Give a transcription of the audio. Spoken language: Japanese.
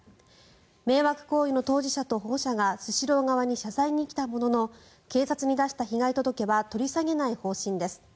迷惑行為の当事者と保護者がスシロー側に謝罪に来たものの警察に出した被害届は取り下げない方針です。